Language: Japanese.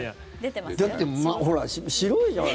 だってほら、白いじゃん。